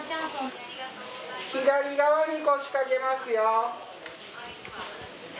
左側に腰掛けますよ。